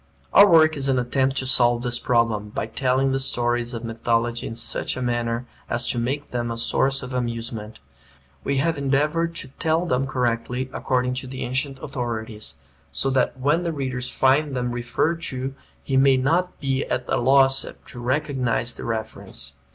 Our work is an attempt to solve this problem, by telling the stories of mythology in such a manner as to make them a source of amusement. We have endeavored to tell them correctly, according to the ancient authorities, so that when the reader finds them referred to he may not be at a loss to recognize the reference.